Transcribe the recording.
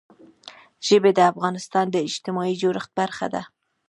ژبې د افغانستان د اجتماعي جوړښت برخه ده.